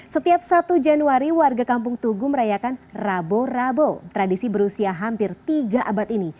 setiap satu januari warga kampung tugu merayakan rabo rabo tradisi berusia hampir tiga abad ini